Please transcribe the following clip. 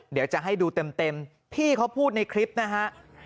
เดี๋ยวจะให้ดูเต็มพี่เขาพูดในคลิปนะฮะ